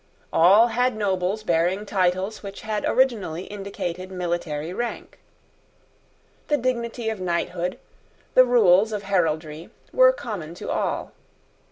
All had nobles bearing titles which had originally indicated military rank. The dignity of knighthood, the rules of heraldry, were common to all.